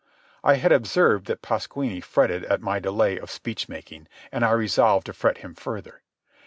I had observed that Pasquini fretted at my delay of speech making, and I resolved to fret him further.